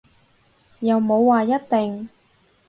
又冇話一定